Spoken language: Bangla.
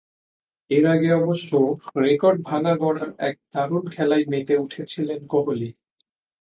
এর আগে অবশ্য রেকর্ড ভাঙা গড়ার এক দারুণ খেলায় মেতে উঠেছিলেন কোহলি।